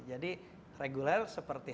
jadi regular seperti